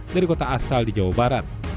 dari kota asal di jawa barat